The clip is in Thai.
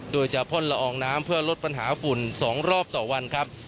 โดยจะพ่นละอองน้ำเพื่อลดปัญหาฝุ่น๒รอบต่อวันครับ